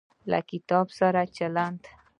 له کتاب سره چلند